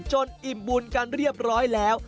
อิ่มบุญกันเรียบร้อยแล้ว